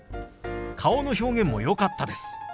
顔の表現もよかったです。